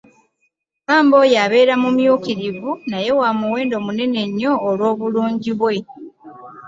Pamba oyo abeera mumyukirivu naye wa muwendo munene nnyo olw'obulungi bwe.